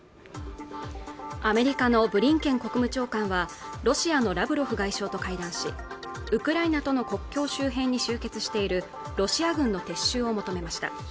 アメリカのブリンケン国務長官はロシアのラブロフ外相と会談しウクライナとの国境周辺に集結しているロシア軍の撤収を求めました